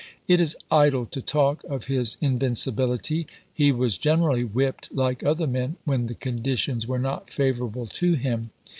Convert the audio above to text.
It is idle to talk of his in vincibility; he was generally whipped, like other men, when the conditions were not favorable to him.